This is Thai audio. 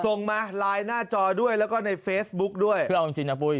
ส่งมาไลน์หน้าจอด้วยแล้วก็ในเฟซบุ๊กด้วยคือเอาจริงจริงนะปุ้ย